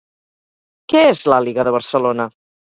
Què és l'Àliga de Barcelona?